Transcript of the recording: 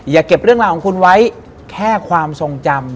อย่าเก็บเรื่องราวของคุณไว้แค่ความทรงจำ